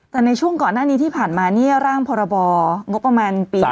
แต่ในช่วงก่อนหน้านี้ที่ผ่านมาเนี่ยร่างพรบงบประมาณปี๒๕